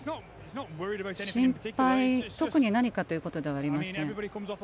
心配特に何かということではありません。